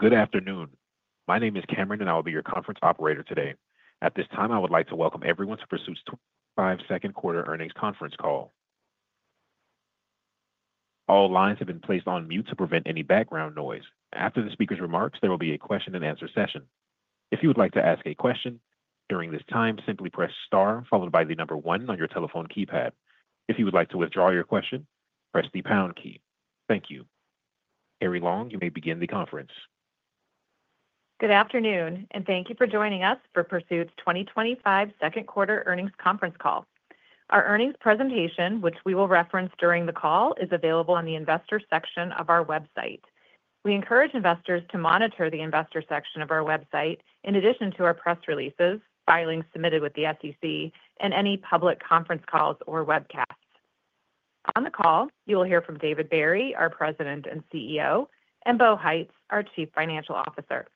Good afternoon. My name is Cameron, and I will be your conference operator today. At this time, I would like to welcome everyone to Pursuit Attractions and Hospitality Inc.'s 2025 second quarter earnings conference call. All lines have been placed on mute to prevent any background noise. After the speaker's remarks, there will be a question and answer session. If you would like to ask a question during this time, simply press star followed by the number one on your telephone keypad. If you would like to withdraw your question, press the pound key. Thank you. Carrie Long, you may begin the conference. Good afternoon, and thank you for joining us for Pursuit's 2025 second quarter earnings conference call. Our earnings presentation, which we will reference during the call, is available on the Investors section of our website. We encourage investors to monitor the Investors section of our website, in addition to our press releases, filings submitted with the SEC, and any public conference calls or webcasts. On the call, you will hear from David Barry, our President and CEO, and Bo Heitz, our Chief Financial Officer.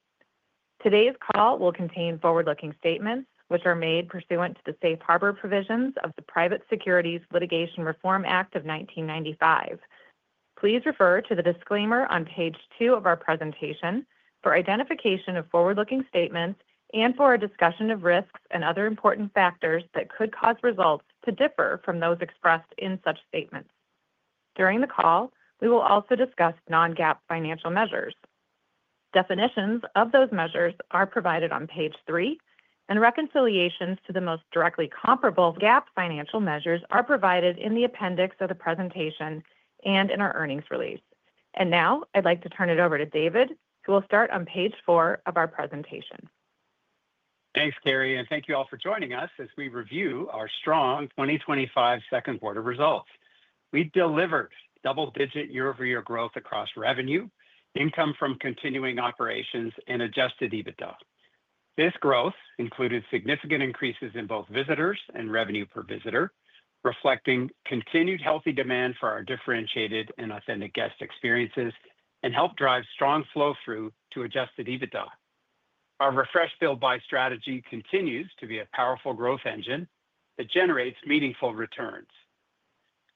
Today's call will contain forward-looking statements, which are made pursuant to the Safe Harbor provisions of the Private Securities Litigation Reform Act of 1995. Please refer to the disclaimer on page 2 of our presentation for identification of forward-looking statements and for our discussion of risks and other important factors that could cause results to differ from those expressed in such statements. During the call, we will also discuss non-GAAP financial measures. Definitions of those measures are provided on page 3, and reconciliations to the most directly comparable GAAP financial measures are provided in the appendix of the presentation and in our earnings release. I would like to turn it over to David, who will start on page 4 of our presentation. Thanks, Carrie, and thank you all for joining us as we review our strong 2025 second quarter results. We delivered double-digit year-over-year growth across revenue, income from continuing operations, and adjusted EBITDA. This growth included significant increases in both visitors and revenue per visitor, reflecting continued healthy demand for our differentiated and authentic guest experiences, and helped drive strong flow-through to adjusted EBITDA. Our refresh-sale buy strategy continues to be a powerful growth engine that generates meaningful returns.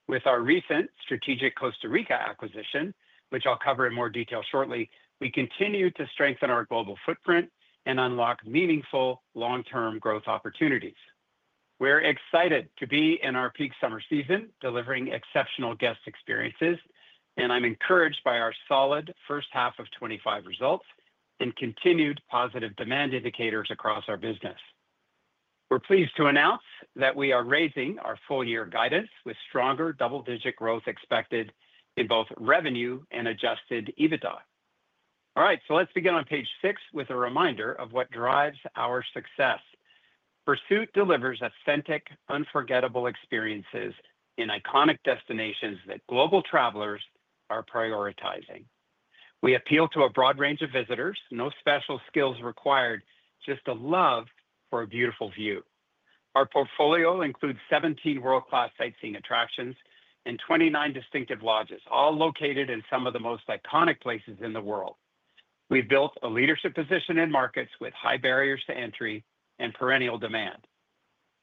With our recent strategic Costa Rica acquisition, which I'll cover in more detail shortly, we continue to strengthen our global footprint and unlock meaningful long-term growth opportunities. We're excited to be in our peak summer season, delivering exceptional guest experiences, and I'm encouraged by our solid first half of 2025 results and continued positive demand indicators across our business. We're pleased to announce that we are raising our full-year guidance with stronger double-digit growth expected in both revenue and adjusted EBITDA. Let's begin on page 6 with a reminder of what drives our success. Pursuit delivers authentic, unforgettable experiences in iconic destinations that global travelers are prioritizing. We appeal to a broad range of visitors, no special skills required, just a love for a beautiful view. Our portfolio includes 17 world-class sightseeing attractions and 29 distinctive lodges, all located in some of the most iconic places in the world. We've built a leadership position in markets with high barriers to entry and perennial demand.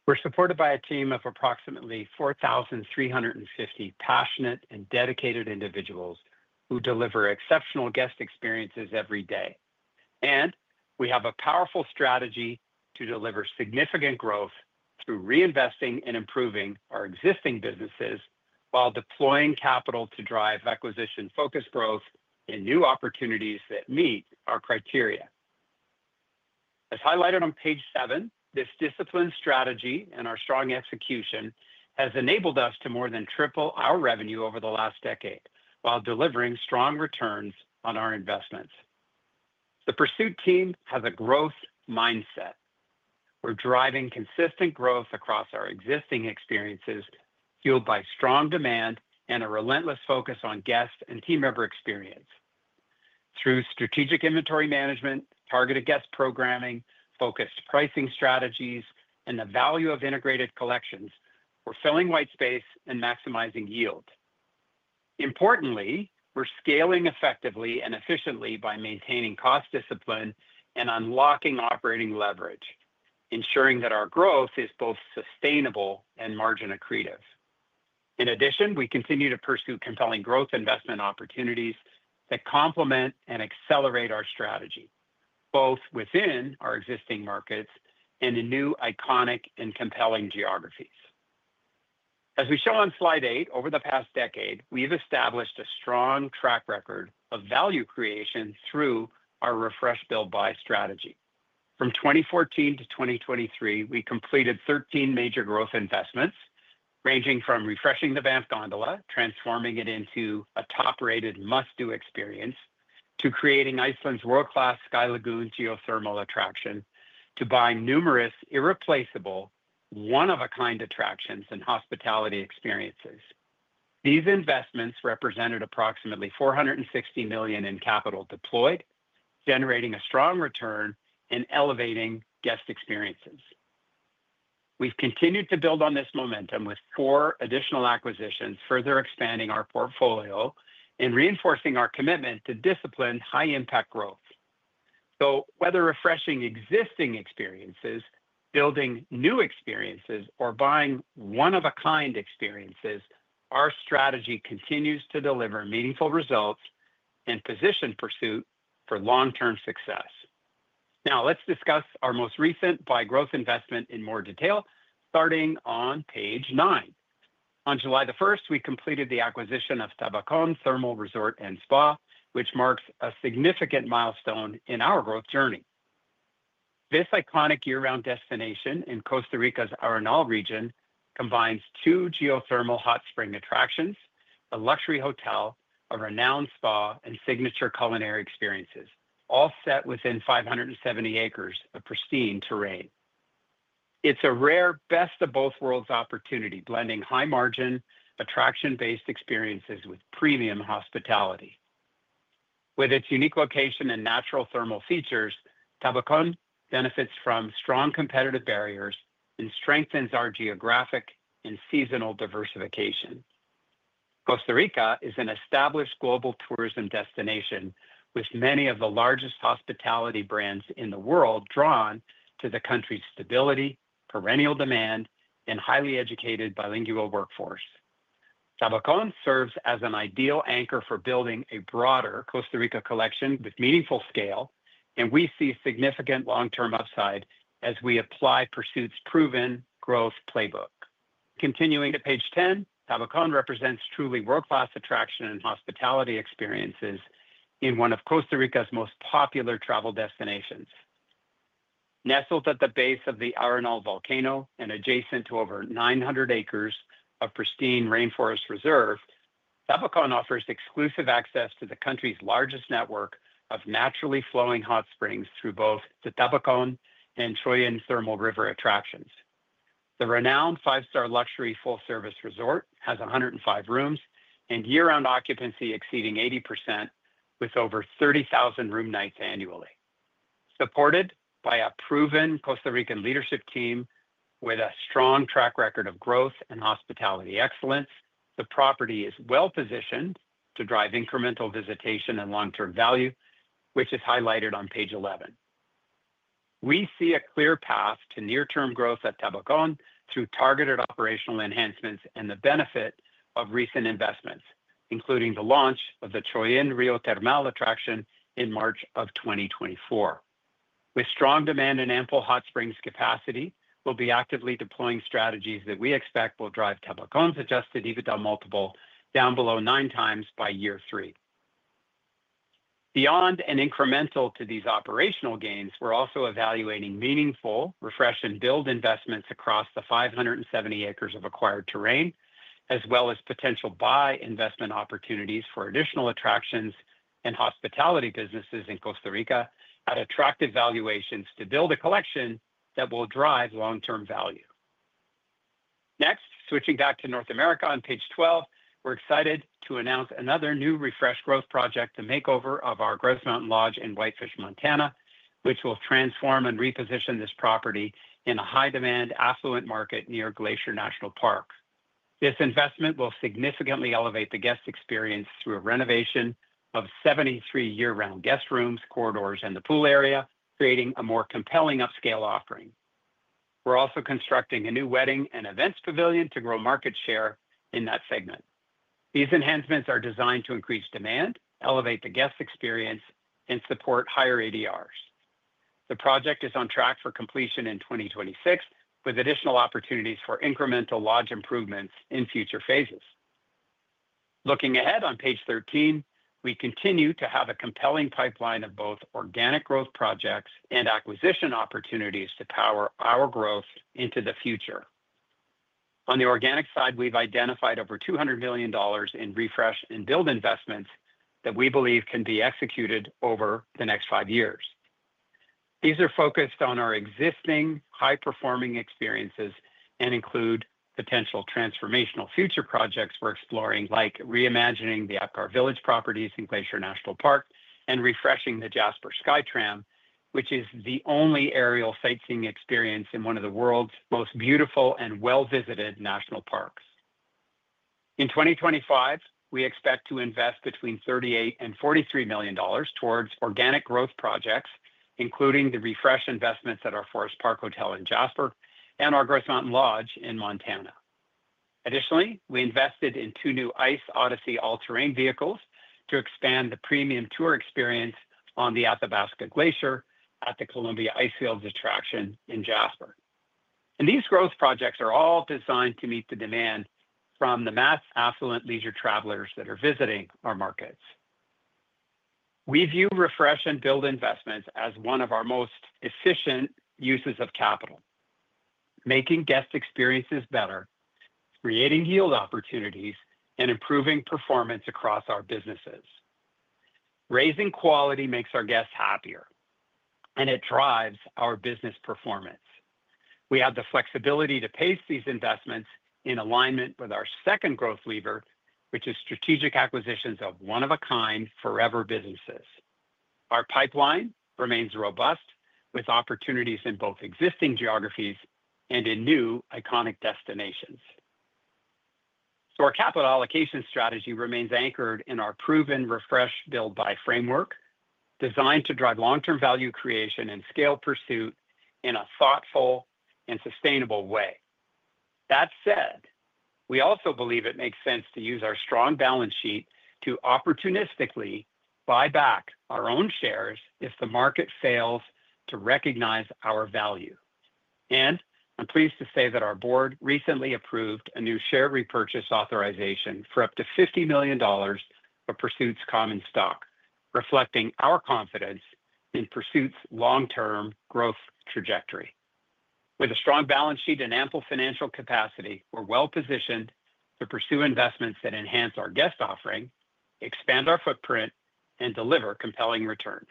We're supported by a team of approximately 4,350 passionate and dedicated individuals who deliver exceptional guest experiences every day. We have a powerful strategy to deliver significant growth through reinvesting and improving our existing businesses while deploying capital to drive acquisition-focused growth and new opportunities that meet our criteria. As highlighted on page 7, this disciplined strategy and our strong execution have enabled us to more than triple our revenue over the last decade while delivering strong returns on our investments. The Pursuit team has a growth mindset. We're driving consistent growth across our existing experiences, fueled by strong demand and a relentless focus on guest and team member experience. Through strategic inventory management, targeted guest programming, focused pricing strategies, and the value of integrated collections, we're filling white space and maximizing yield. Importantly, we're scaling effectively and efficiently by maintaining cost discipline and unlocking operating leverage, ensuring that our growth is both sustainable and margin accretive. In addition, we continue to pursue compelling growth investment opportunities that complement and accelerate our strategy, both within our existing markets and in new iconic and compelling geographies. As we show on slide 8, over the past decade, we've established a strong track record of value creation through our refresh-sale buy strategy. From 2014-2023, we completed 13 major growth investments, ranging from refreshing the Banff Gondola, transforming it into a top-rated must-do experience, to creating Iceland's world-class Sky Lagoon geothermal attraction, to buying numerous irreplaceable, one-of-a-kind attractions and hospitality experiences. These investments represented approximately $460 million in capital deployed, generating a strong return and elevating guest experiences. We've continued to build on this momentum with four additional acquisitions, further expanding our portfolio and reinforcing our commitment to disciplined, high-impact growth. Whether refreshing existing experiences, building new experiences, or buying one-of-a-kind experiences, our strategy continues to deliver meaningful results and position Pursuit for long-term success. Now, let's discuss our most recent buy growth investment in more detail, starting on page 9. On July 1st, we completed the acquisition of Tabacón Thermal Resort & Spa, which marks a significant milestone in our growth journey. This iconic year-round destination in Costa Rica's Arenal region combines two geothermal hot spring attractions, a luxury hotel, a renowned spa, and signature culinary experiences, all set within 570 acres of pristine terrain. It's a rare best-of-both-worlds opportunity, blending high-margin, attraction-based experiences with premium hospitality. With its unique location and natural thermal features, Tabacón benefits from strong competitive barriers and strengthens our geographic and seasonal diversification. Costa Rica is an established global tourism destination, with many of the largest hospitality brands in the world drawn to the country's stability, perennial demand, and highly educated bilingual workforce. Tabacón serves as an ideal anchor for building a broader Costa Rica collection with meaningful scale, and we see significant long-term upside as we apply Pursuit's proven growth playbook. Continuing to page 10, Tabacón represents truly world-class attraction and hospitality experiences in one of Costa Rica's most popular travel destinations. Nestled at the base of the Arenal volcano and adjacent to over 900 acres of pristine rainforest reserve, Tabacón offers exclusive access to the country's largest network of naturally flowing hot springs through both the Tabacón and Choyín Río Termal attractions. The renowned five-star luxury full-service resort has 105 rooms and year-round occupancy exceeding 80%, with over 30,000 room nights annually. Supported by a proven Costa Rican leadership team, with a strong track record of growth and hospitality excellence, the property is well-positioned to drive incremental visitation and long-term value, which is highlighted on page 11. We see a clear path to near-term growth at Tabacón through targeted operational enhancements and the benefit of recent investments, including the launch of the Choyín Río Termal attraction in March of 2024. With strong demand and ample hot springs capacity, we'll be actively deploying strategies that we expect will drive Tabacón's adjusted EBITDA multiple down below 9x by year 3. Beyond and incremental to these operational gains, we're also evaluating meaningful refresh and build investments across the 570 acres of acquired terrain, as well as potential buy investment opportunities for additional attractions and hospitality businesses in Costa Rica at attractive valuations to build a collection that will drive long-term value. Next, switching back to North America on page 12, we're excited to announce another new refresh growth project, the makeover of our Grouse Mountain Lodge in Whitefish, Montana, which will transform and reposition this property in a high-demand, affluent market near Glacier National Park. This investment will significantly elevate the guest experience through a renovation of 73 year-round guest rooms, corridors, and the pool area, creating a more compelling upscale offering. We're also constructing a new wedding and events pavilion to grow market share in that segment. These enhancements are designed to increase demand, elevate the guest experience, and support higher ADRs. The project is on track for completion in 2026, with additional opportunities for incremental lodge improvements in future phases. Looking ahead on page 13, we continue to have a compelling pipeline of both organic growth projects and acquisition opportunities to power our growth into the future. On the organic side, we've identified over $200 million in refresh and build investments that we believe can be executed over the next five years. These are focused on our existing high-performing experiences and include potential transformational future projects we're exploring, like reimagining the Apgar Village properties in Glacier National Park and refreshing the Jasper SkyTram, which is the only aerial sightseeing experience in one of the world's most beautiful and well-visited national parks. In 2025, we expect to invest between $38 million and $43 million towards organic growth projects, including the refresh investments at our Forest Park Hotel in Jasper and our Grouse Mountain Lodge in Montana. Additionally, we invested in two new Ice Odyssey all-terrain vehicles to expand the premium tour experience on the Athabasca Glacier at the Columbia Icefields attraction in Jasper. These growth projects are all designed to meet the demand from the mass affluent leisure travelers that are visiting our markets. We view refresh and build investments as one of our most efficient uses of capital, making guest experiences better, creating yield opportunities, and improving performance across our businesses. Raising quality makes our guests happier, and it drives our business performance. We have the flexibility to pace these investments in alignment with our second growth lever, which is strategic acquisitions of one-of-a-kind forever businesses. Our pipeline remains robust, with opportunities in both existing geographies and in new iconic destinations. Our capital allocation strategy remains anchored in our proven refresh-build-buy framework, designed to drive long-term value creation and scale Pursuit in a thoughtful and sustainable way. That said, we also believe it makes sense to use our strong balance sheet to opportunistically buy back our own shares if the market fails to recognize our value. I'm pleased to say that our board recently approved a new share repurchase authorization for up to $50 million for Pursuit's common stock, reflecting our confidence in Pursuit's long-term growth trajectory. With a strong balance sheet and ample financial capacity, we're well-positioned to pursue investments that enhance our guest offering, expand our footprint, and deliver compelling returns.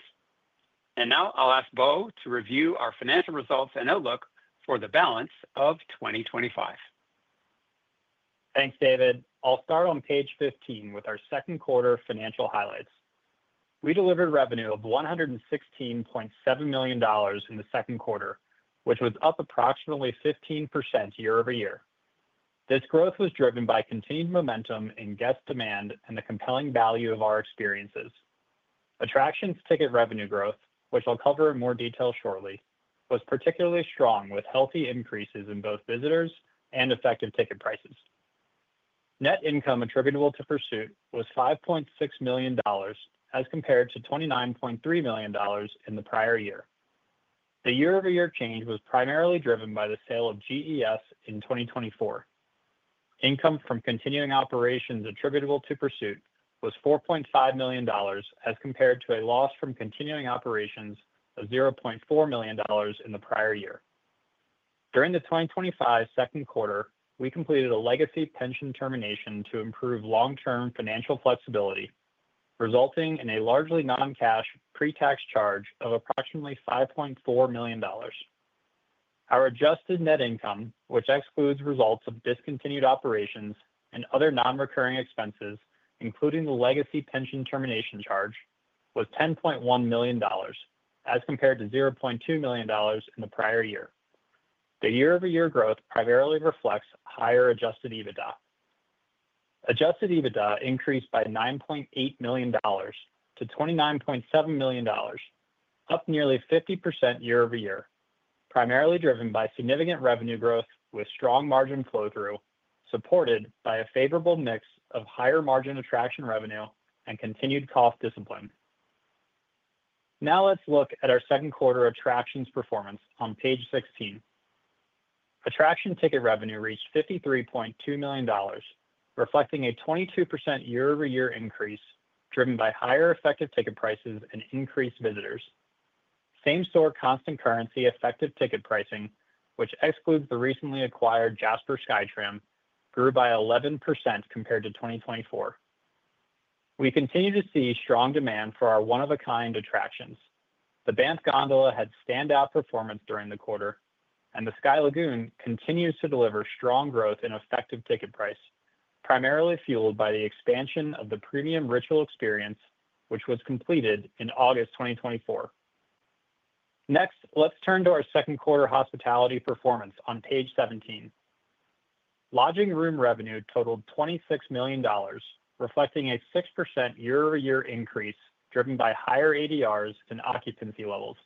I'll ask Bo to review our financial results and outlook for the balance of 2025. Thanks, David. I'll start on page 15 with our second quarter financial highlights. We delivered revenue of $116.7 million in the second quarter, which was up approximately 15% year-over-year. This growth was driven by continued momentum in guest demand and the compelling value of our experiences. Attractions ticket revenue growth, which I'll cover in more detail shortly, was particularly strong, with healthy increases in both visitors and effective ticket prices. Net income attributable to Pursuit was $5.6 million, as compared to $29.3 million in the prior year. The year-over-year change was primarily driven by the sale of GES in 2024. Income from continuing operations attributable to Pursuit was $4.5 million, as compared to a loss from continuing operations of $0.4 million in the prior year. During the 2025 second quarter, we completed a legacy pension termination to improve long-term financial flexibility, resulting in a largely non-cash pre-tax charge of approximately $5.4 million. Our adjusted net income, which excludes results of discontinued operations and other non-recurring expenses, including the legacy pension termination charge, was $10.1 million, as compared to $0.2 million in the prior year. The year-over-year growth primarily reflects higher adjusted EBITDA. Adjusted EBITDA increased by $9.8 million to $29.7 million, up nearly 50% year-over-year, primarily driven by significant revenue growth with strong margin flow-through, supported by a favorable mix of higher margin attraction revenue and continued cost discipline. Now, let's look at our second quarter attractions performance on page 16. Attraction ticket revenue reached $53.2 million, reflecting a 22% year-over-year increase driven by higher effective ticket prices and increased visitors. Same-store constant currency effective ticket pricing, which excludes the recently acquired Jasper SkyTram, grew by 11% compared to 2024. We continue to see strong demand for our one-of-a-kind attractions. The Banff Gondola had standout performance during the quarter, and the Sky Lagoon continues to deliver strong growth in effective ticket price, primarily fueled by the expansion of the premium ritual experience, which was completed in August 2024. Next, let's turn to our second quarter hospitality performance on page 17. Lodging room revenue totaled $26 million, reflecting a 6% year-over-year increase driven by higher ADRs and occupancy levels.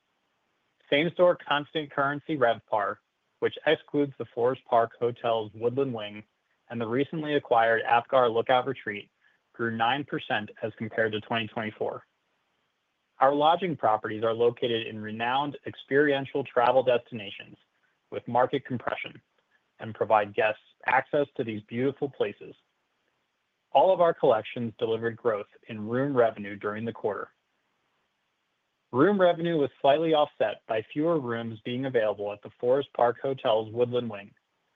Same-store constant currency RevPAR, which excludes the Forest Park Hotel's Woodland Wing and the recently acquired Apgar Village Lookout Retreat, grew 9% as compared to 2024. Our lodging properties are located in renowned experiential travel destinations with market compression and provide guests access to these beautiful places. All of our collections delivered growth in room revenue during the quarter. Room revenue was slightly offset by fewer rooms being available at the Forest Park Hotel's Woodland Wing,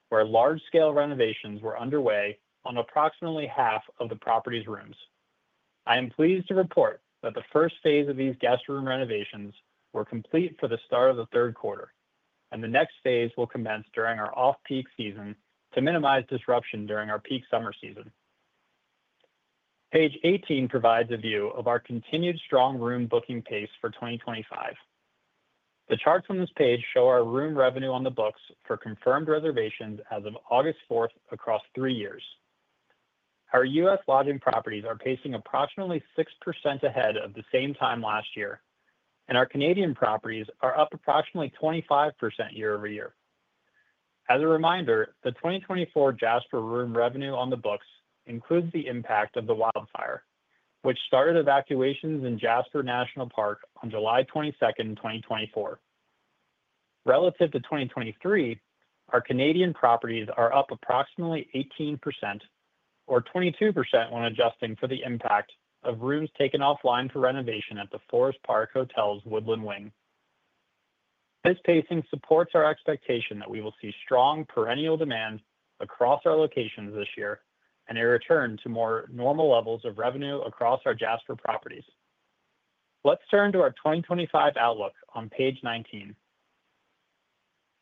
where large-scale renovations were underway on approximately half of the property's rooms. I am pleased to report that the first phase of these guest room renovations was complete for the start of the third quarter, and the next phase will commence during our off-peak season to minimize disruption during our peak summer season. Page 18 provides a view of our continued strong room booking pace for 2025. The charts on this page show our room revenue on the books for confirmed reservations as of August 4th across three years. Our U.S. lodging properties are pacing approximately 6% ahead of the same time last year, and our Canadian properties are up approximately 25% year-over-year. As a reminder, the 2024 Jasper room revenue on the books includes the impact of the wildfire, which started evacuations in Jasper National Park on July 22nd, 2024. Relative to 2023, our Canadian properties are up approximately 18% or 22% when adjusting for the impact of rooms taken offline for renovation at the Forest Park Hotel's Woodland Wing. This pacing supports our expectation that we will see strong perennial demand across our locations this year and a return to more normal levels of revenue across our Jasper properties. Let's turn to our 2025 outlook on page 19.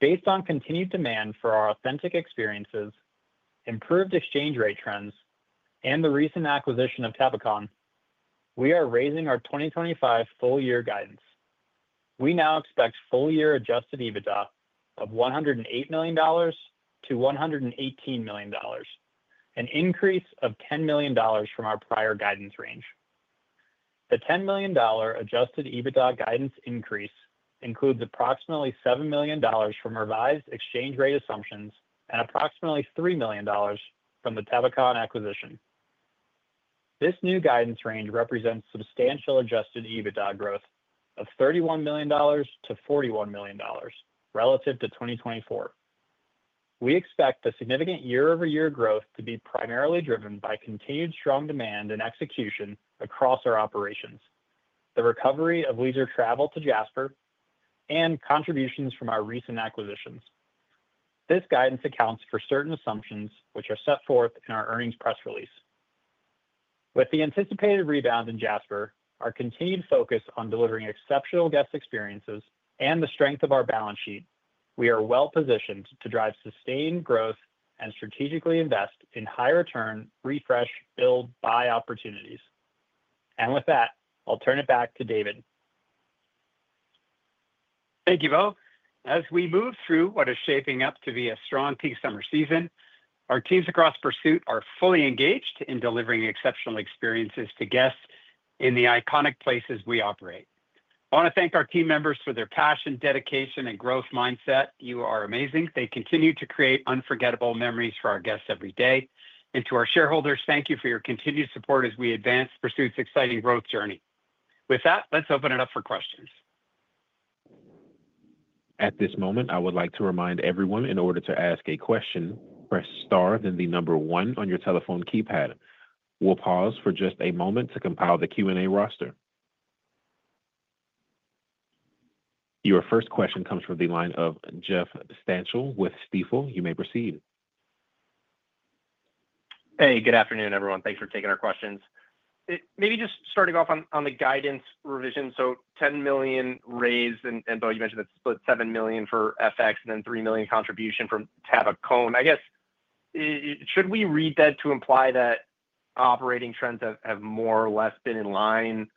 Based on continued demand for our authentic experiences, improved exchange rate trends, and the recent acquisition of Tabacón, we are raising our 2025 full-year guidance. We now expect full-year adjusted EBITDA of $108 million-$118 million, an increase of $10 million from our prior guidance range. The $10 million adjusted EBITDA guidance increase includes approximately $7 million from revised exchange rate assumptions and approximately $3 million from the Tabacón acquisition. This new guidance range represents substantial adjusted EBITDA growth of $31 million-$41 million relative to 2024. We expect the significant year-over-year growth to be primarily driven by continued strong demand and execution across our operations, the recovery of leisure travel to Jasper, and contributions from our recent acquisitions. This guidance accounts for certain assumptions which are set forth in our earnings press release. With the anticipated rebound in Jasper, our continued focus on delivering exceptional guest experiences, and the strength of our balance sheet, we are well-positioned to drive sustained growth and strategically invest in high-return refresh-build-buy opportunities. I'll turn it back to David. Thank you, Bo. As we move through what is shaping up to be a strong peak summer season, our teams across Pursuit are fully engaged in delivering exceptional experiences to guests in the iconic places we operate. I want to thank our team members for their passion, dedication, and growth mindset. You are amazing. They continue to create unforgettable memories for our guests every day. To our shareholders, thank you for your continued support as we advance Pursuit's exciting growth journey. Let's open it up for questions. At this moment, I would like to remind everyone in order to ask a question, press star then the number one on your telephone keypad. We'll pause for just a moment to compile the Q&A roster. Your first question comes from the line of Jeff Stantial with Stifel. You may proceed. Hey, good afternoon, everyone. Thanks for taking our questions. Maybe just starting off on the guidance revision. $10 million raised, and Bo, you mentioned that split $7 million for FX and then $3 million contribution from Tabacón. I guess, should we read that to imply that operating trends have more or less been in line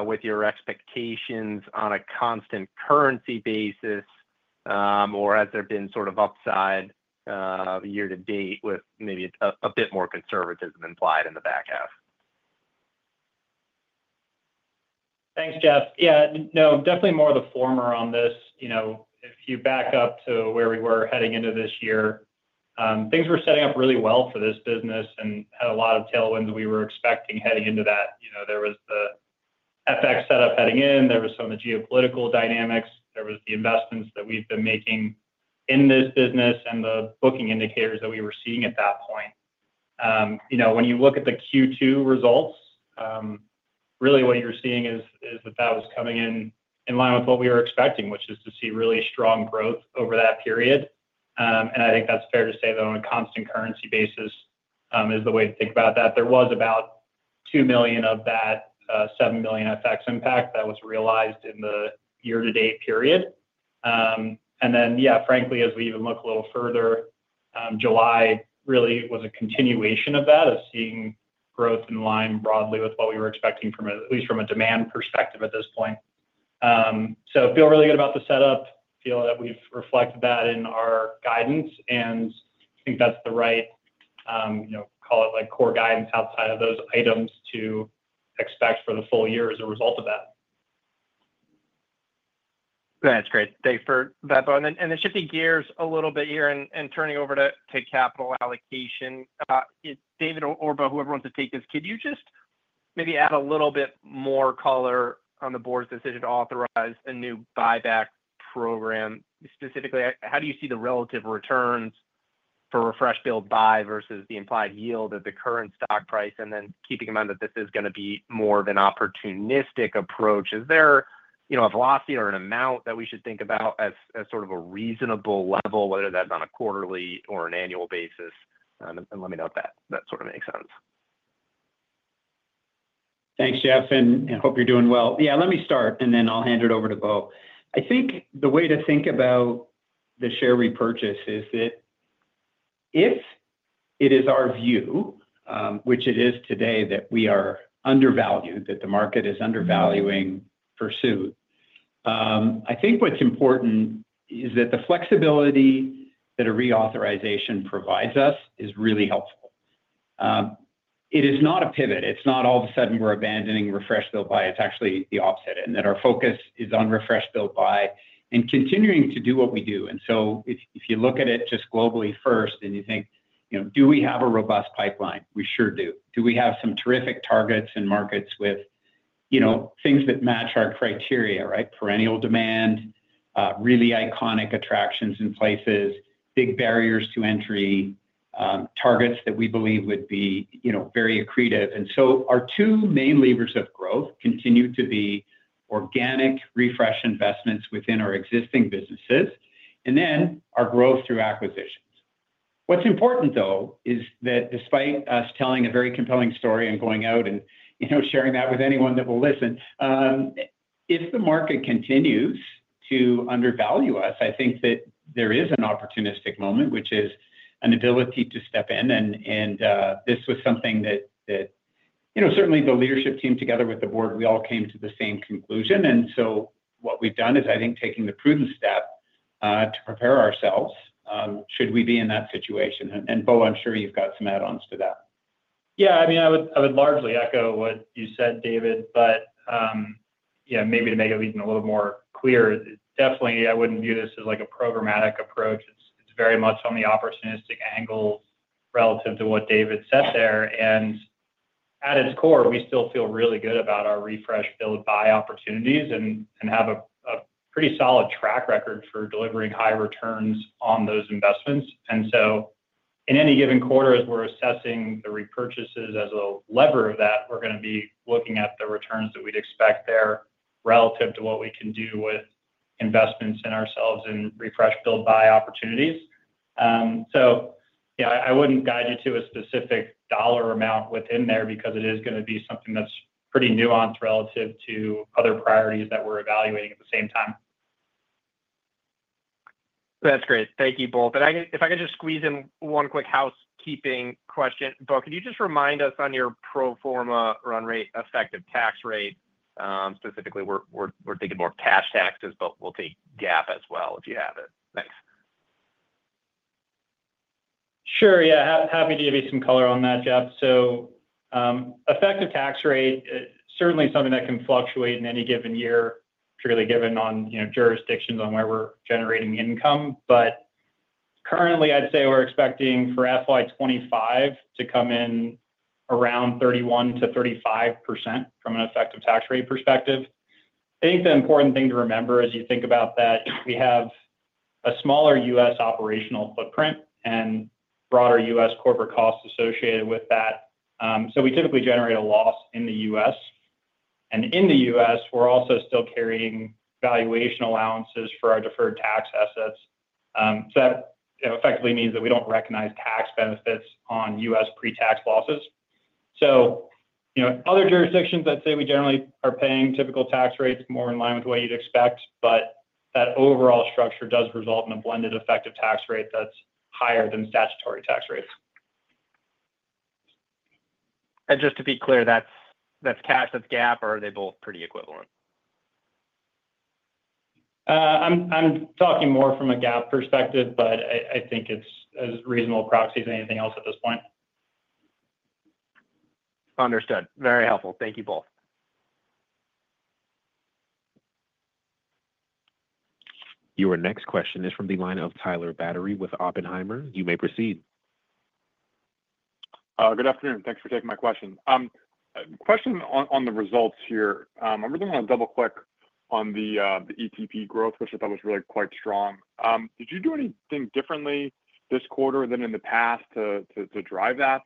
with your expectations on a constant currency basis, or has there been sort of upside year to date with maybe a bit more conservatism implied in the back half? Thanks, Jeff. Definitely more the former on this. If you back up to where we were heading into this year, things were setting up really well for this business and had a lot of tailwinds we were expecting heading into that. There was the FX setup heading in. There were some of the geopolitical dynamics. There were the investments that we've been making in this business and the booking indicators that we were seeing at that point. When you look at the Q2 results, what you're seeing is that was coming in in line with what we were expecting, which is to see really strong growth over that period. I think that's fair to say that on a constant currency basis is the way to think about that. There was about $2 million of that $7 million FX impact that was realized in the year-to-date period. Frankly, as we even look a little further, July really was a continuation of that, of seeing growth in line broadly with what we were expecting from at least from a demand perspective at this point. I feel really good about the setup, feel that we've reflected that in our guidance, and I think that's the right, call it like core guidance outside of those items to expect for the full year as a result of that. That's great. Thanks for that, Bo. Shifting gears a little bit here and turning over to capital allocation, David or Bo, whoever wants to take this, could you just maybe add a little bit more color on the board's decision to authorize a new buyback program? Specifically, how do you see the relative returns for refresh-build-buy versus the implied yield at the current stock price? Keeping in mind that this is going to be more of an opportunistic approach, is there a velocity or an amount that we should think about as sort of a reasonable level, whether that's on a quarterly or an annual basis? Let me know if that sort of makes sense. Thanks, Jeff, and hope you're doing well. Let me start, and then I'll hand it over to Bo. I think the way to think about the share repurchase is that if it is our view, which it is today, that we are undervalued, that the market is undervaluing Pursuit, what's important is that the flexibility that a reauthorization provides us is really helpful. It is not a pivot. It's not all of a sudden we're abandoning refresh-build-buy. It's actually the opposite, and our focus is on refresh-build-buy and continuing to do what we do. If you look at it just globally first and you think, do we have a robust pipeline? We sure do. Do we have some terrific targets and markets with things that match our criteria, right? Perennial demand, really iconic attractions and places, big barriers to entry, targets that we believe would be very accretive. Our two main levers of growth continue to be organic refresh investments within our existing businesses and then our growth through acquisitions. What's important, though, is that despite us telling a very compelling story and going out and sharing that with anyone that will listen, if the market continues to undervalue us, I think that there is an opportunistic moment, which is an ability to step in. This was something that certainly the leadership team together with the board, we all came to the same conclusion. What we've done is, I think, taking the prudent step to prepare ourselves should we be in that situation. Bo, I'm sure you've got some add-ons to that. Yeah, I mean, I would largely echo what you said, David, but maybe to make it even a little more clear, definitely I wouldn't view this as like a programmatic approach. It's very much on the opportunistic angle relative to what David said there. At its core, we still feel really good about our refresh-build-buy opportunities and have a pretty solid track record for delivering high returns on those investments. In any given quarter, as we're assessing the repurchases as a lever of that, we're going to be looking at the returns that we'd expect there relative to what we can do with investments in ourselves and refresh-build-buy opportunities. I wouldn't guide you to a specific dollar amount within there because it is going to be something that's pretty nuanced relative to other priorities that we're evaluating at the same time. That's great. Thank you both. If I could just squeeze in one quick housekeeping question, Bo, could you just remind us on your pro forma run rate, effective tax rate? Specifically, we're thinking more of cash taxes, but we'll take GAAP as well if you have it. Thanks. Sure, yeah, happy to give you some color on that, Jeff. Effective tax rate is certainly something that can fluctuate in any given year, truly given on, you know, jurisdictions on where we're generating income. Currently, I'd say we're expecting for FY2025 to come in around 31%-35% from an effective tax rate perspective. I think the important thing to remember as you think about that, we have a smaller U.S. operational footprint and broader U.S. corporate costs associated with that. We typically generate a loss in the U.S., and in the U.S., we're also still carrying valuation allowances for our deferred tax assets. That effectively means that we don't recognize tax benefits on U.S. pre-tax losses. Other jurisdictions, I'd say we generally are paying typical tax rates more in line with what you'd expect, but that overall structure does result in a blended effective tax rate that's higher than statutory tax rates. Just to be clear, that's cash, that's GAAP, or are they both pretty equivalent? I'm talking more from a GAAP perspective, but I think it's as reasonable a proxy as anything else at this point. Understood. Very helpful. Thank you both. Your next question is from the line of Tyler Batory with Oppenheimer. You may proceed. Good afternoon. Thanks for taking my question. Question on the results here. I really want to double-click on the ETP growth, which I thought was really quite strong. Did you do anything differently this quarter than in the past to drive that?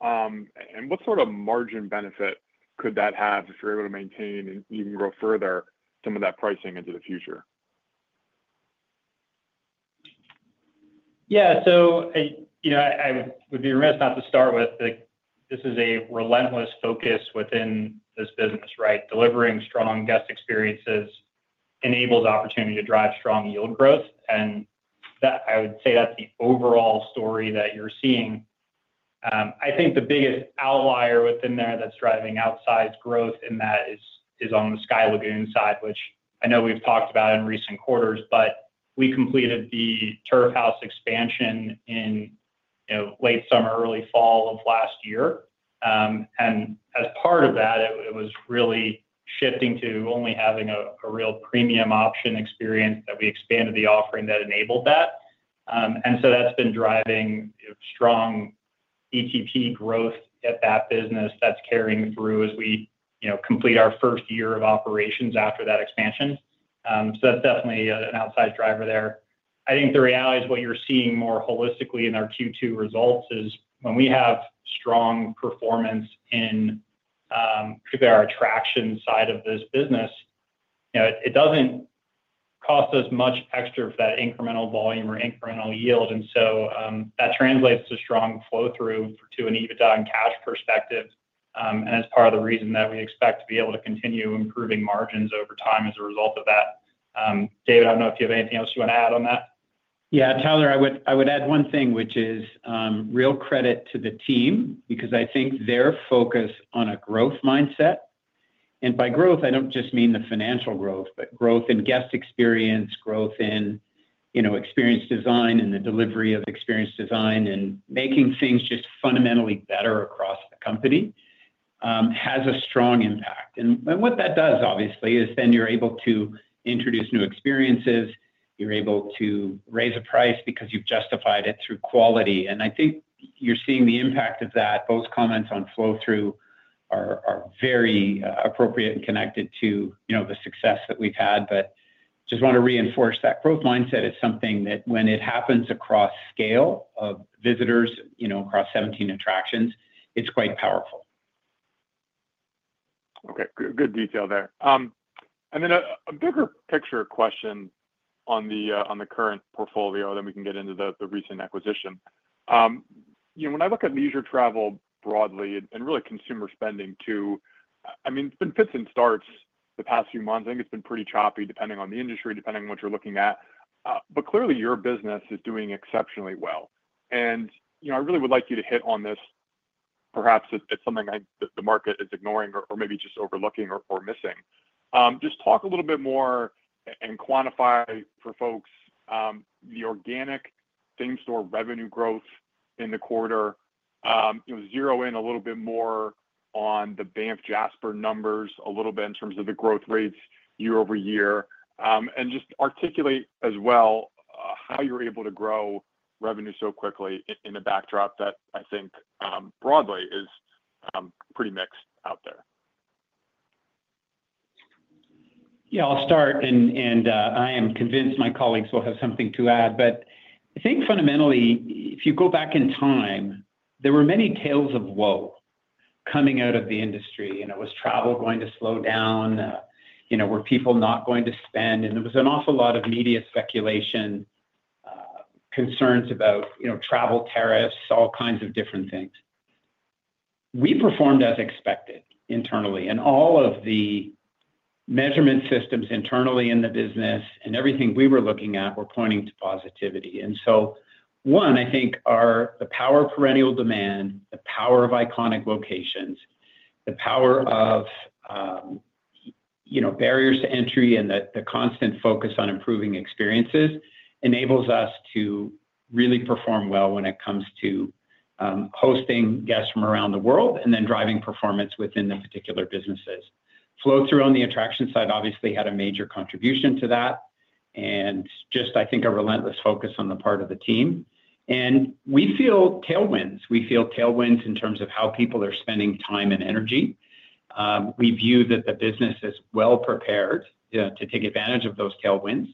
What sort of margin benefit could that have if you're able to maintain and even grow further some of that pricing into the future? Yeah, so I would be remiss not to start with that this is a relentless focus within this business, right? Delivering strong guest experiences enables opportunity to drive strong yield growth, and I would say that's the overall story that you're seeing. I think the biggest outlier within there that's driving outsized growth in that is on the Sky Lagoon side, which I know we've talked about in recent quarters, but we completed the Turf House expansion in late summer, early fall of last year. As part of that, it was really shifting to only having a real premium option experience that we expanded the offering that enabled that. That's been driving strong ETP growth at that business that's carrying the brew as we complete our first year of operations after that expansion. That's definitely an outside driver there. I think the reality is what you're seeing more holistically in our Q2 results is when we have strong performance in our attraction side of this business, it doesn't cost us much extra for that incremental volume or incremental yield. That translates to strong flow-through to an EBITDA and cash perspective. That's part of the reason that we expect to be able to continue improving margins over time as a result of that. David, I don't know if you have anything else you want to add on that. Yeah, Tyler, I would add one thing, which is real credit to the team because I think their focus on a growth mindset, and by growth, I don't just mean the financial growth, but growth in guest experience, growth in experience design and the delivery of experience design and making things just fundamentally better across the company has a strong impact. What that does, obviously, is then you're able to introduce new experiences, you're able to raise a price because you've justified it through quality. I think you're seeing the impact of that. Bo's comments on flow-through are very appropriate and connected to the success that we've had. I just want to reinforce that growth mindset is something that when it happens across scale of visitors, across 17 attractions, it's quite powerful. Okay, good detail there. A bigger picture question on the current portfolio that we can get into the recent acquisition. You know, when I look at leisure travel broadly and really consumer spending too, it's been fits and starts the past few months. I think it's been pretty choppy depending on the industry, depending on what you're looking at. Clearly, your business is doing exceptionally well. I really would like you to hit on this. Perhaps it's something that the market is ignoring or maybe just overlooking or missing. Just talk a little bit more and quantify for folks the organic theme store revenue growth in the quarter. Zero in a little bit more on the Banff-Jasper numbers a little bit in terms of the growth rates year-over-year, and just articulate as well how you're able to grow revenue so quickly in a backdrop that I think broadly is pretty mixed out there. Yeah, I'll start, and I am convinced my colleagues will have something to add. I think fundamentally, if you go back in time, there were many tales of woe coming out of the industry. You know, was travel going to slow down? You know, were people not going to spend? There was an awful lot of media speculation, concerns about, you know, travel tariffs, all kinds of different things. We performed as expected internally, and all of the measurement systems internally in the business and everything we were looking at were pointing to positivity. One, I think the power of perennial demand, the power of iconic locations, the power of, you know, barriers to entry and the constant focus on improving experiences enables us to really perform well when it comes to hosting guests from around the world and then driving performance within the particular businesses. Flow-through on the attraction side obviously had a major contribution to that. I think a relentless focus on the part of the team. We feel tailwinds. We feel tailwinds in terms of how people are spending time and energy. We view that the business is well-prepared to take advantage of those tailwinds.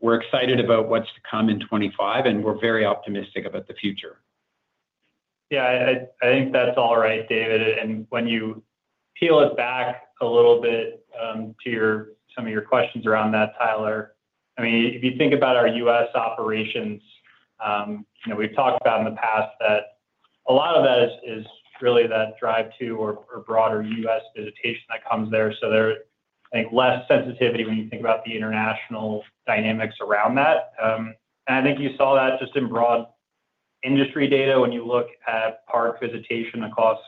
We're excited about what's to come in 2025, and we're very optimistic about the future. Yeah, I think that's all right, David. When you peel it back a little bit to some of your questions around that, Tyler, I mean, if you think about our U.S. operations, you know, we've talked about in the past that a lot of that is really that drive to or broader U.S. visitation that comes there. There's less sensitivity when you think about the international dynamics around that. I think you saw that just in broad industry data when you look at park visitation across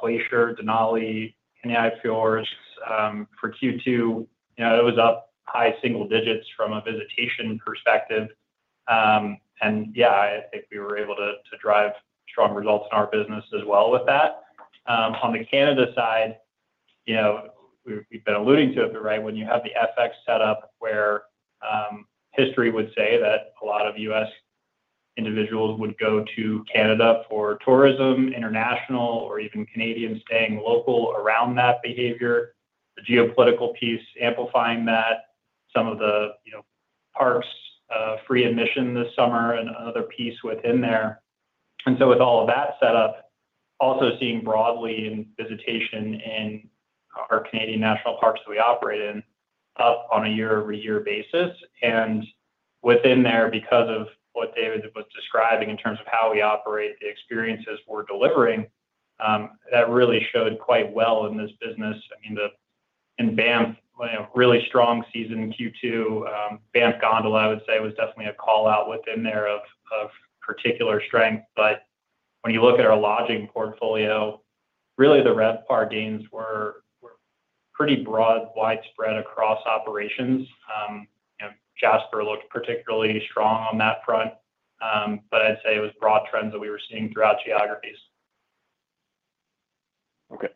Glacier, Denali, Kenai Fjords for Q2. It was up high single digits from a visitation perspective. I think we were able to drive strong results in our business as well with that. On the Canada side, you know, we've been alluding to it, but right when you have the FX setup where history would say that a lot of U.S. individuals would go to Canada for tourism, international, or even Canadians staying local around that behavior, the geopolitical piece amplifying that, some of the, you know, parks free admission this summer and another piece within there. With all of that set up, also seeing broadly in visitation in our Canadian national parks that we operate in up on a year-over-year basis. Within there, because of what David was describing in terms of how we operate, the experiences we're delivering, that really showed quite well in this business. The Banff, you know, really strong season Q2. Banff Gondola, I would say, was definitely a callout within there of particular strength. When you look at our lodging portfolio, really the RevPAR gains were pretty broad, widespread across operations. Jasper looked particularly strong on that front. I'd say it was broad trends that we were seeing throughout geographies. Okay,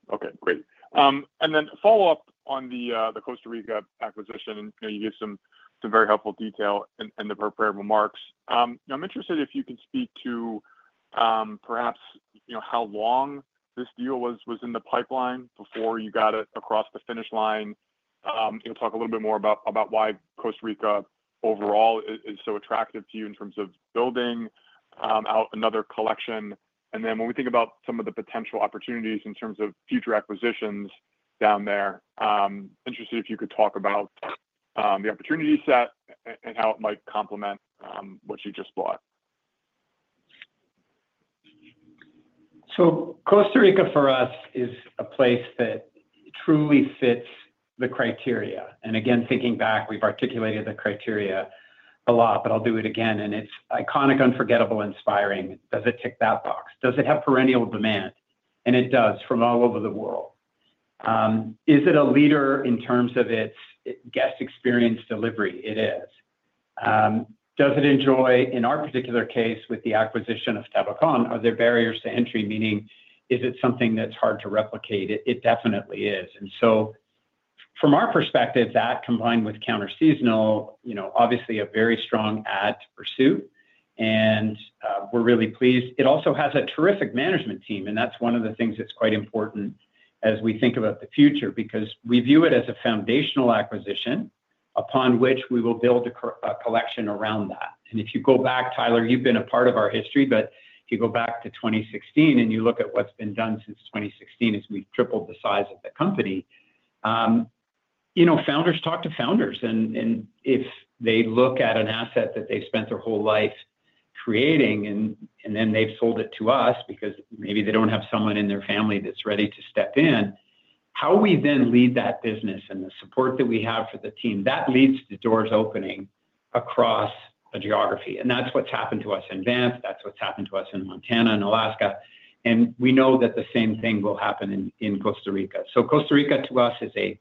great. Then follow up on the Costa Rica acquisition. You gave some very helpful detail in the prepared remarks. I'm interested if you can speak to perhaps how long this deal was in the pipeline before you got it across the finish line. Talk a little bit more about why Costa Rica overall is so attractive to you in terms of building out another collection. When we think about some of the potential opportunities in terms of future acquisitions down there, interested if you could talk about the opportunity set and how it might complement what you just brought. Costa Rica for us is a place that truly fits the criteria. Again, thinking back, we've articulated the criteria a lot, but I'll do it again. It's iconic, unforgettable, inspiring. Does it tick that box? Does it have perennial demand? It does from all over the world. Is it a leader in terms of its guest experience delivery? It is. Does it enjoy, in our particular case with the acquisition of Tabacón, are there barriers to entry, meaning is it something that's hard to replicate? It definitely is. From our perspective, that combined with counter-seasonal, obviously a very strong add to Pursuit, and we're really pleased. It also has a terrific management team, and that's one of the things that's quite important as we think about the future because we view it as a foundational acquisition upon which we will build a collection around that. If you go back, Tyler, you've been a part of our history, but if you go back to 2016 and you look at what's been done since 2016 as we tripled the size of the company, founders talk to founders, and if they look at an asset that they've spent their whole life creating and then they've sold it to us because maybe they don't have someone in their family that's ready to step in, how we then lead that business and the support that we have for the team, that leads to doors opening across a geography. That's what's happened to us in Banff. That's what's happened to us in Montana and Alaska. We know that the same thing will happen in Costa Rica. Costa Rica to us is a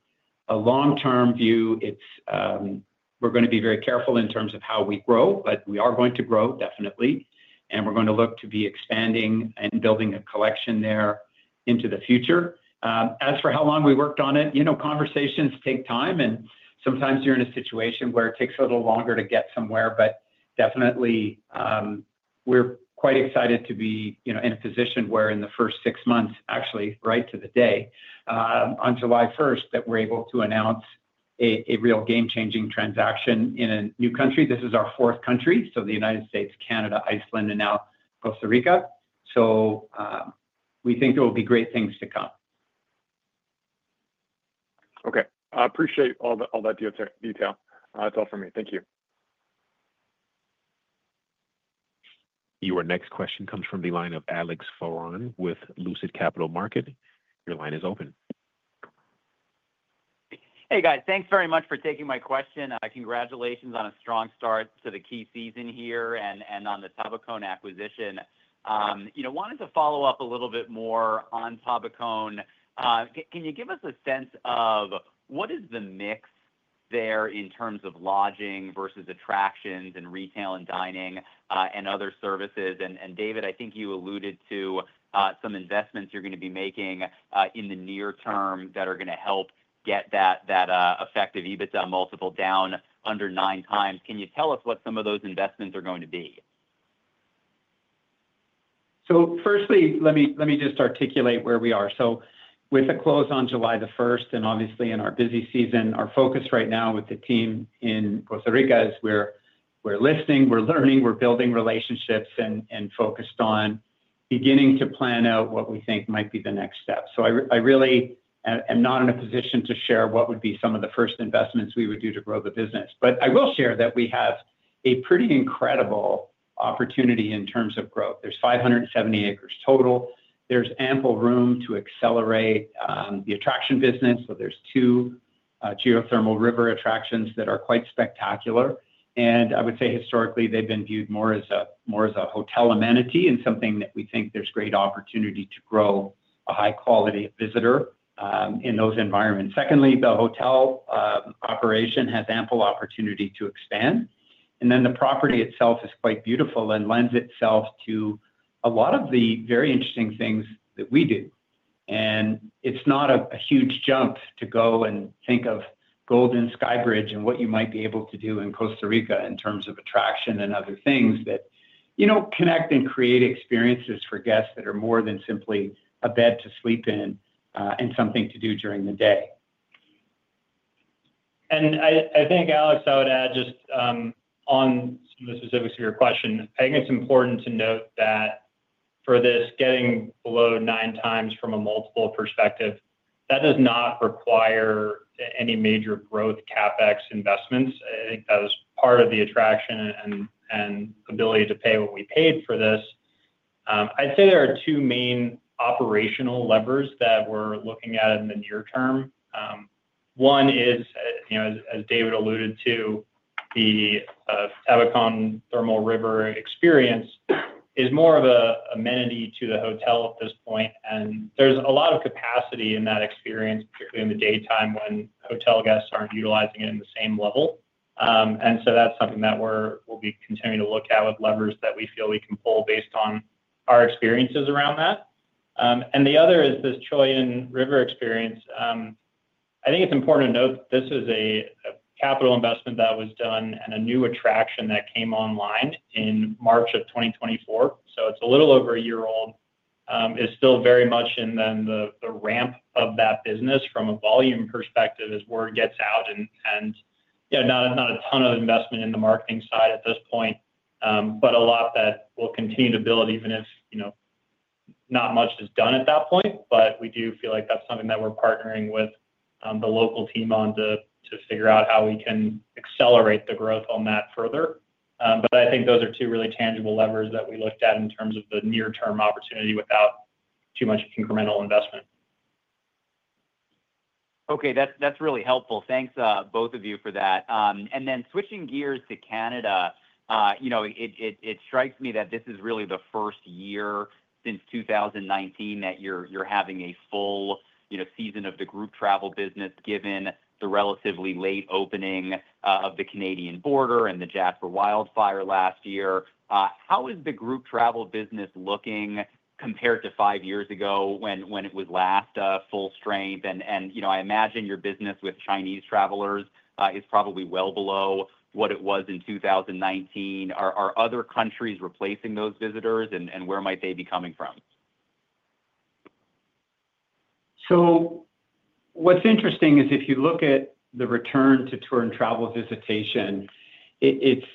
long-term view. We're going to be very careful in terms of how we grow, but we are going to grow definitely, and we're going to look to be expanding and building a collection there into the future. As for how long we worked on it, conversations take time, and sometimes you're in a situation where it takes a little longer to get somewhere, but definitely we're quite excited to be in a position where in the first six months, actually right to the day, on July 1st, that we're able to announce a real game-changing transaction in a new country. This is our fourth country, the United States, Canada, Iceland, and now Costa Rica. We think there will be great things to come. Okay, I appreciate all that detail. That's all from me. Thank you. Your next question comes from the line of Alex Fuhrman with Lucid Capital Markets. Your line is open. Hey guys, thanks very much for taking my question. Congratulations on a strong start to the key season here and on the Tabacón acquisition. I wanted to follow up a little bit more on Tabacón. Can you give us a sense of what is the mix there in terms of lodging versus attractions and retail and dining and other services? David, I think you alluded to some investments you're going to be making in the near term that are going to help get that effective EBITDA multiple down under nine times. Can you tell us what some of those investments are going to be? Firstly, let me just articulate where we are. With the close on July 1st, and obviously in our busy season, our focus right now with the team in Costa Rica is we're listening, we're learning, we're building relationships, and focused on beginning to plan out what we think might be the next step. I really am not in a position to share what would be some of the first investments we would do to grow the business. I will share that we have a pretty incredible opportunity in terms of growth. There's 570 acres total. There's ample room to accelerate the attraction business. There are two geothermal river attractions that are quite spectacular. I would say historically, they've been viewed more as a hotel amenity and something that we think there's great opportunity to grow a high-quality visitor in those environments. Secondly, the hotel operation has ample opportunity to expand. The property itself is quite beautiful and lends itself to a lot of the very interesting things that we do. It's not a huge jump to go and think of Golden Sky Bridge and what you might be able to do in Costa Rica in terms of attraction and other things that connect and create experiences for guests that are more than simply a bed to sleep in and something to do during the day. I think, Alex, I would add just on some of the specifics of your question, it's important to note that for this getting below nine times from a multiple perspective, that does not require any major growth CapEx investments. I think that was part of the attraction and ability to pay what we paid for this. I'd say there are two main operational levers that we're looking at in the near term. One is, as David alluded to, the Tabacón thermal river experience is more of an amenity to the hotel at this point. There's a lot of capacity in that experience, particularly in the daytime when hotel guests aren't utilizing it in the same level. That's something that we'll be continuing to look at with levers that we feel we can pull based on our experiences around that. The other is this Choyín River experience. I think it's important to note that this is a capital investment that was done and a new attraction that came online in March 2024. It's a little over a year old. It's still very much in the ramp of that business from a volume perspective as word gets out. There is not a ton of investment in the marketing side at this point, but a lot that will continue to build even if not much is done at that point. We do feel like that's something that we're partnering with the local team on to figure out how we can accelerate the growth on that further. I think those are two really tangible levers that we looked at in terms of the near-term opportunity without too much incremental investment. Okay, that's really helpful. Thanks, both of you, for that. Switching gears to Canada, you know, it strikes me that this is really the first year since 2019 that you're having a full, you know, season of the group travel business, given the relatively late opening of the Canadian border and the Jasper wildfire last year. How is the group travel business looking compared to five years ago when it was last full strength? I imagine your business with Chinese travelers is probably well below what it was in 2019. Are other countries replacing those visitors and where might they be coming from? What's interesting is if you look at the return to tour and travel visitation, it's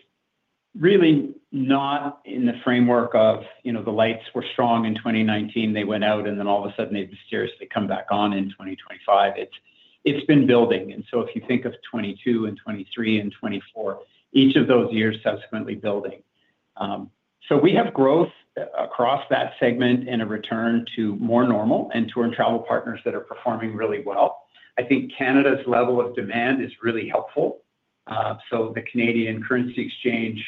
really not in the framework of, you know, the lights were strong in 2019, they went out, and then all of a sudden they'd mysteriously come back on in 2025. It's been building. If you think of 2022 and 2023 and 2024, each of those years subsequently building, we have growth across that segment and a return to more normal and tour and travel partners that are performing really well. I think Canada's level of demand is really helpful. The Canadian currency exchange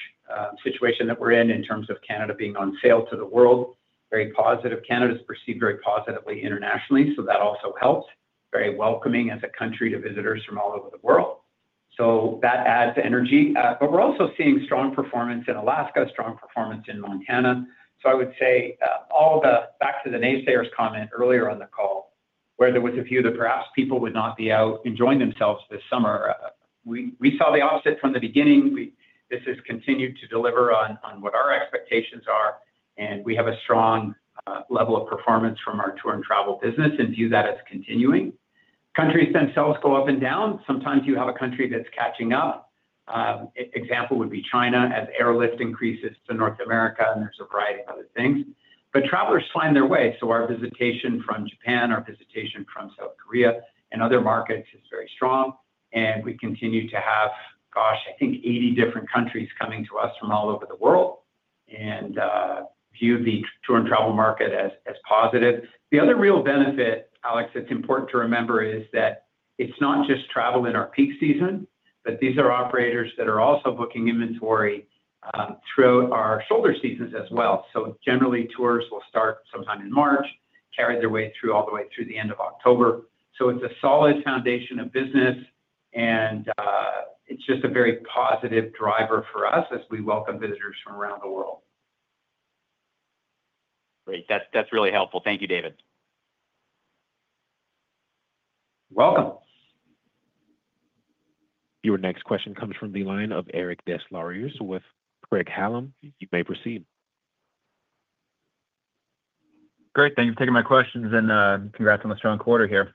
situation that we're in, in terms of Canada being on sale to the world, is very positive. Canada's perceived very positively internationally, so that also helps. Very welcoming as a country to visitors from all over the world, so that adds the energy. We're also seeing strong performance in Alaska, strong performance in Montana. I would say, back to the naysayers comment earlier on the call where there was a view that perhaps people would not be out enjoying themselves this summer, we saw the opposite from the beginning. This has continued to deliver on what our expectations are, and we have a strong level of performance from our tour and travel business and view that as continuing. Countries themselves go up and down. Sometimes you have a country that's catching up. An example would be China as airlift increases to North America, and there's a variety of other things. Travelers find their way. Our visitation from Japan, our visitation from South Korea, and other markets is very strong. We continue to have, I think, 80 different countries coming to us from all over the world and view the tour and travel market as positive. The other real benefit, Alex, that's important to remember is that it's not just travel in our peak season, but these are operators that are also booking inventory throughout our shoulder seasons as well. Generally, tours will start sometime in March, carry their way through all the way through the end of October. It's a solid foundation of business, and it's just a very positive driver for us as we welcome visitors from around the world. Great, that's really helpful. Thank you, David. Welcome. Your next question comes from the line of Eric Des Lauriers with Craig-Hallum. You may proceed. Great, thank you for taking my questions and congrats on a strong quarter here.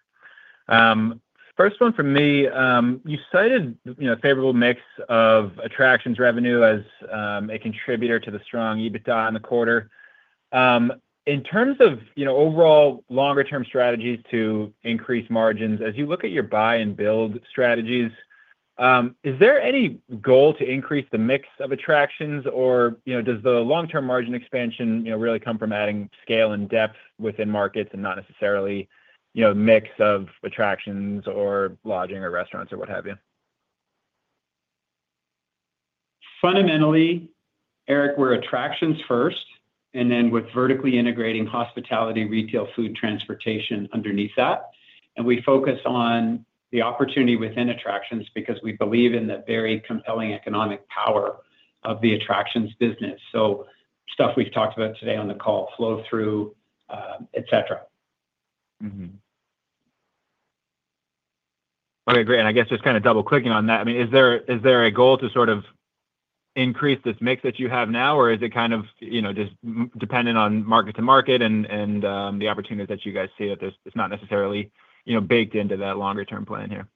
First one from me. You cited a favorable mix of attractions revenue as a contributor to the strong EBITDA in the quarter. In terms of overall longer-term strategies to increase margins, as you look at your buy and build strategies, is there any goal to increase the mix of attractions or does the long-term margin expansion really come from adding scale and depth within markets and not necessarily a mix of attractions or lodging or restaurants or what have you? Fundamentally, Eric, we're attractions first and then with vertically integrating hospitality, retail, food, transportation underneath that. We focus on the opportunity within attractions because we believe in the very compelling economic power of the attractions business. Stuff we've talked about today on the call, flow-through, et cetera. I agree. I guess just kind of double-clicking on that, is there a goal to sort of increase this mix that you have now, or is it kind of just dependent on market to market and the opportunity that you guys see, that it's not necessarily baked into that longer-term plan here?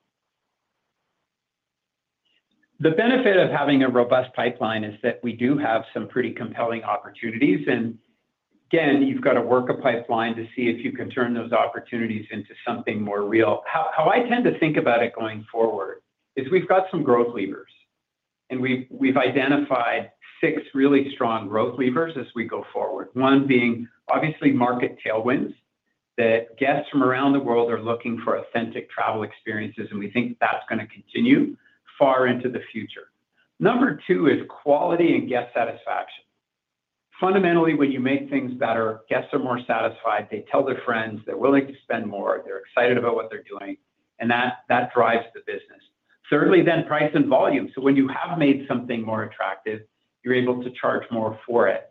The benefit of having a robust pipeline is that we do have some pretty compelling opportunities. You've got to work a pipeline to see if you can turn those opportunities into something more real. How I tend to think about it going forward is we've got some growth levers and we've identified six really strong growth levers as we go forward. One being obviously market tailwinds that guests from around the world are looking for authentic travel experiences, and we think that's going to continue far into the future. Number two is quality and guest satisfaction. Fundamentally, when you make things better, guests are more satisfied. They tell their friends, they're willing to spend more, they're excited about what they're doing, and that drives the business. Thirdly, price and volume. When you have made something more attractive, you're able to charge more for it.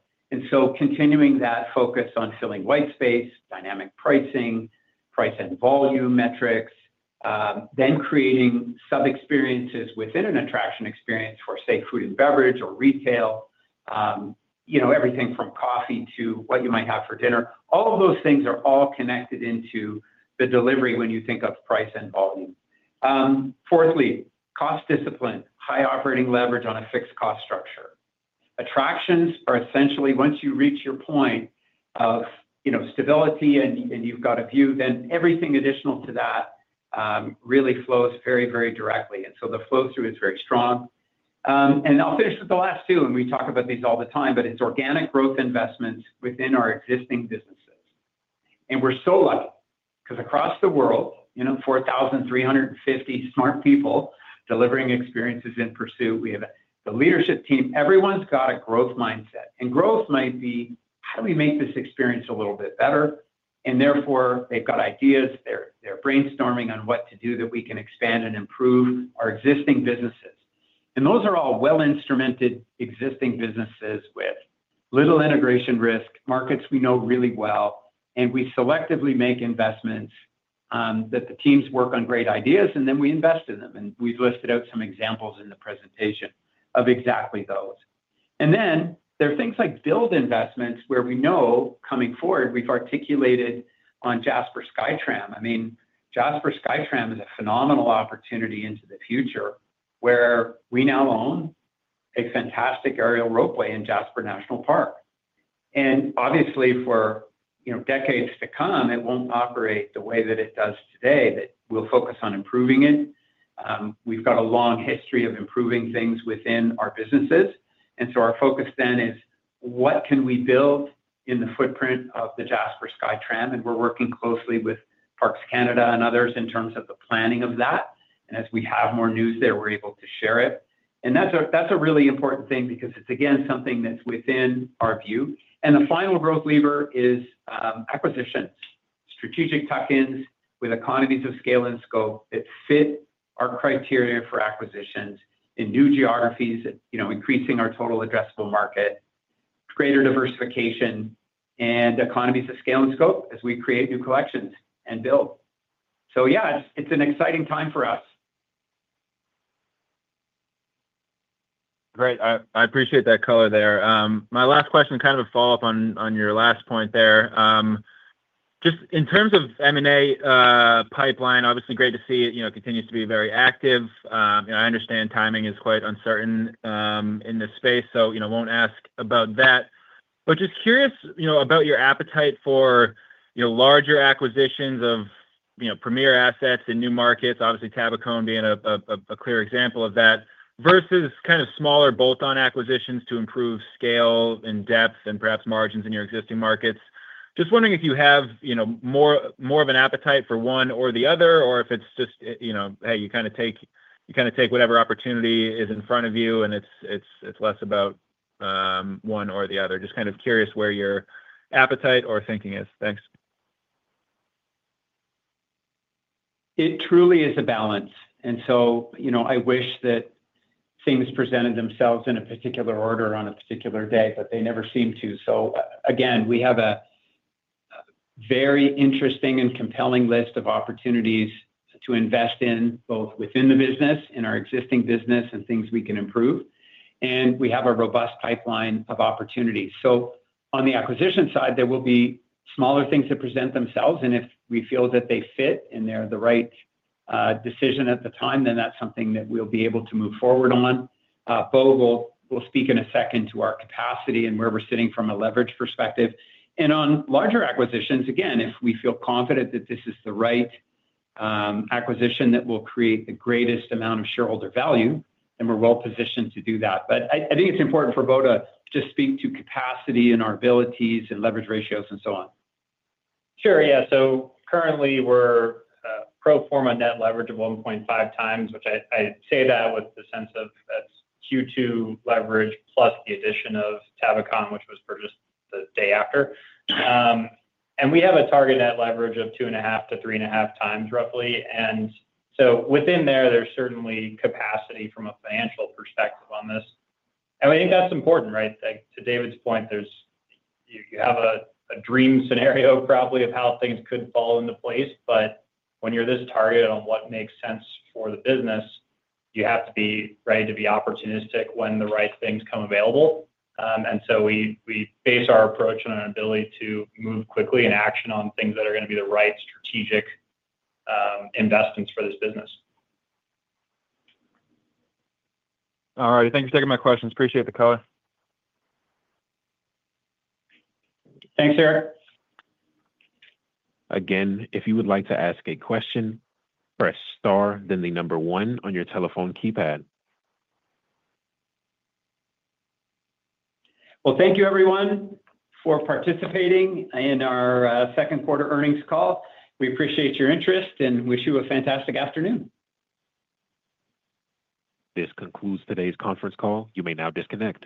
Continuing that focus on filling white space, dynamic pricing, price and volume metrics, then creating sub-experiences within an attraction experience for, say, food and beverage or retail, everything from coffee to what you might have for dinner. All of those things are all connected into the delivery when you think of price and volume. Fourthly, cost discipline, high operating leverage on a fixed cost structure. Attractions are essentially, once you reach your point of stability and you've got a view, then everything additional to that really flows very, very directly. The flow-through is very strong. I'll finish with the last two, and we talk about these all the time, but it's organic growth investments within our existing businesses. We're so lucky because across the world, 4,350 smart people delivering experiences in Pursuit. We have the leadership team. Everyone's got a growth mindset. Growth might be how do we make this experience a little bit better? Therefore, they've got ideas. They're brainstorming on what to do that we can expand and improve our existing businesses. Those are all well-instrumented existing businesses with little integration risk, markets we know really well, and we selectively make investments that the teams work on great ideas, and then we invest in them. We've listed out some examples in the presentation of exactly those. There are things like build investments where we know coming forward, we've articulated on Jasper SkyTram. Jasper SkyTram is a phenomenal opportunity into the future where we now own a fantastic aerial ropeway in Jasper National Park. Obviously, for decades to come, it won't operate the way that it does today. We'll focus on improving it. We've got a long history of improving things within our businesses. Our focus then is what can we build in the footprint of the Jasper SkyTram? We're working closely with Parks Canada and others in terms of the planning of that. As we have more news there, we're able to share it. That's a really important thing because it's, again, something that's within our view. The final growth lever is acquisitions, strategic tuck-ins with economies of scale and scope that fit our criteria for acquisitions in new geographies, increasing our total addressable market, greater diversification, and economies of scale and scope as we create new collections and build. It's an exciting time for us. Great, I appreciate that color there. My last question, kind of a follow-up on your last point there. Just in terms of M&A pipeline, obviously great to see it continues to be very active. I understand timing is quite uncertain in this space, so I won't ask about that. Just curious about your appetite for larger acquisitions of premier assets in new markets, obviously Tabacón being a clear example of that, versus kind of smaller bolt-on acquisitions to improve scale and depth and perhaps margins in your existing markets. Just wondering if you have more of an appetite for one or the other or if it's just, hey, you kind of take whatever opportunity is in front of you and it's less about one or the other. Just kind of curious where your appetite or thinking is. Thanks. It truly is a balance. You know, I wish that things presented themselves in a particular order on a particular day, but they never seem to. We have a very interesting and compelling list of opportunities to invest in both within the business, in our existing business, and things we can improve. We have a robust pipeline of opportunities. On the acquisition side, there will be smaller things that present themselves, and if we feel that they fit and they're the right decision at the time, then that's something that we'll be able to move forward on. Bo will speak in a second to our capacity and where we're sitting from a leverage perspective. On larger acquisitions, if we feel confident that this is the right acquisition that will create the greatest amount of shareholder value, then we're well positioned to do that. I think it's important for Bo to speak to capacity and our abilities and leverage ratios and so on. Sure, yeah. Currently, we're pro forma net leverage of 1.5x, which I say with the sense of that's Q2 leverage plus the addition of Tabacón, which was purchased the day after. We have a target net leverage of 2.5-3.5x roughly. Within there, there's certainly capacity from a financial perspective on this. I think that's important, right? To David's point, you have a dream scenario probably of how things could fall into place, but when you're this targeted on what makes sense for the business, you have to be ready to be opportunistic when the right things come available. We base our approach on an ability to move quickly and action on things that are going to be the right strategic investments for this business. All right, thanks for taking my questions. Appreciate the color. Thanks Eric. Again, if you would like to ask a question, press star then the number one on your telephone keypad. Thank you everyone for participating in our second quarter earnings call. We appreciate your interest and wish you a fantastic afternoon. This concludes today's conference call. You may now disconnect.